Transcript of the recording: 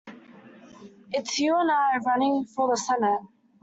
It's you and I running for the Senate.